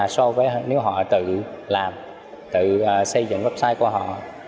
so với nếu họ tự làm tự xây dựng website của họ